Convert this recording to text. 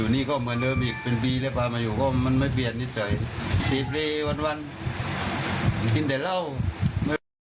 ใจเงาไม่อยู่ไม่ได้ยอม